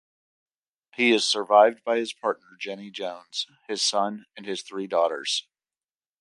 He is survived by his partner Jennie Jones, his son and his three daughters.